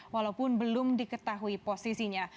walaupun belum diketahui posisinya